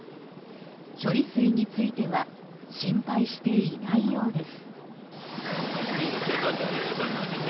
処理水については心配していないようです。